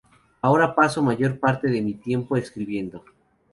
Ahora paso mayor parte de mi tiempo escribiendo.